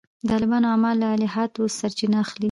د طالبانو اعمال له الهیاتو سرچینه اخلي.